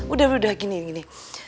udah udah gini gini